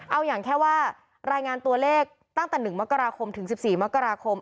เอาอย่างแค่ว่ารายงานตัวเลขตั้งแต่๑มกราคมถึง๑๔มกราคม